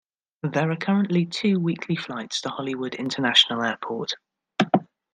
There are currently two weekly flights to Hollywood International Airport.